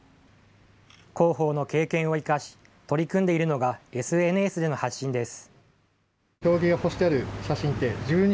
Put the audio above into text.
広報の経験を生かし、取り組んでいるのがＳＮＳでの発信です。